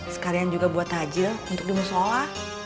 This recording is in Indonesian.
sekalian juga buat tajil untuk dimusola